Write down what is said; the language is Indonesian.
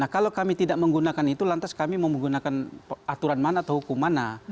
kalau kami tidak menggunakan itu lantas kami mau menggunakan aturan mana atau hukum mana